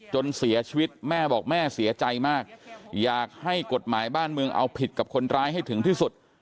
จนเสียชีวิตแม่บอกแม่เสียใจมากอยากให้กฎหมายบ้านเมืองเอาผิดกับคนร้ายให้ถึงที่สุด